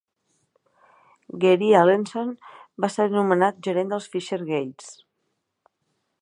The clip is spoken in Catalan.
Gary Allenson va ser nomenat gerent dels Fisher Gats.